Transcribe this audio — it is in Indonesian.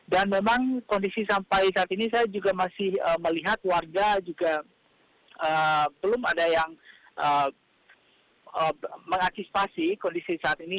dan memang kondisi sampai saat ini saya juga masih melihat warga juga belum ada yang mengakisipasi kondisi saat ini